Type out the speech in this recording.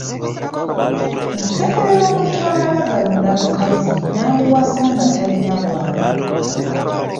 Nsekerera omuntu amala galonda mukazi n’amuwasa nga talina na bw’ali.